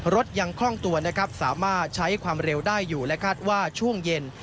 รถยังคล่องตัวนะครับสามารถใช้ความเร็วได้อยู่และคาดว่าช่วงเย็น